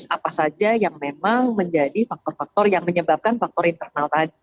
apa saja yang memang menjadi faktor faktor yang menyebabkan faktor internal tadi